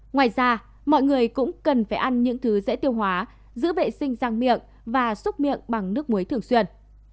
ngoài ra mọi người cũng cần phải ăn những thứ dễ tiêu hóa giữ vệ sinh răng miệng và xúc miệng bằng nước muối thường xuyên